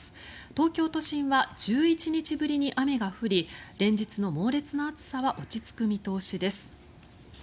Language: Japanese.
東京都心は１１日ぶりに雨が降り連日の猛烈な暑さは落ち着く見通しです。